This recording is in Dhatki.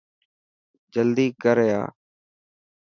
جلدي ڪر آ.